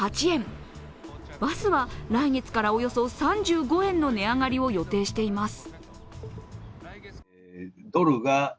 バスは来月からおよそ３５円の値上がりを予定しています。